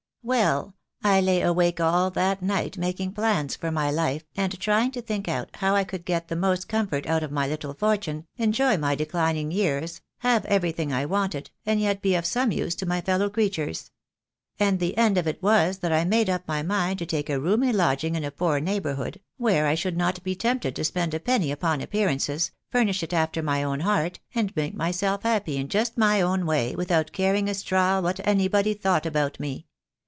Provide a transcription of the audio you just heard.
Well, I lay awake all that night making plans for my life, and trying to think out how I could get the most comfort out of my little fortune, enjoy my declining years, have every thing I wanted, and yet be of some use to my fellow creatures; and the end of it was that I made up my mind to take a roomy lodging in a poor neighbourhood, where I should not be tempted to spend a penny upon appearances, furnish it after my own heart, and make myself happy in just my own way, without caring a straw what anybody thought about me.